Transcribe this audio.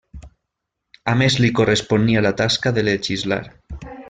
A més li corresponia la tasca de legislar.